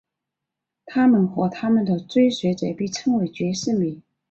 他们和他们的追随者被称为爵士迷。